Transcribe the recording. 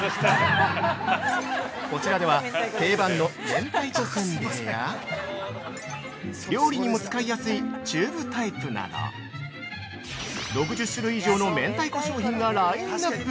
こちらでは定番の明太子せんべいや、料理にも使いやすいチューブタイプなど６０種類以上の明太子商品がラインナップ。